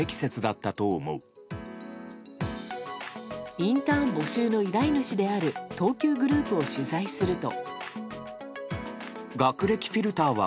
インターン募集の依頼主である東急グループを取材すると。